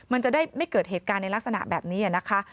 มันจะได้ไม่เกิดเหตุการณ์ในลักษณะแบบนี้นะคะ